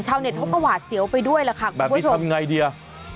เช่าเน็ตโฮกวาดเสียวไปด้วยล่ะค่ะคุณผู้ชมแบบนี้ทำไงดีอะ